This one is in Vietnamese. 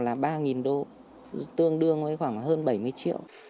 tương đương là ba đô tương đương với khoảng hơn bảy mươi triệu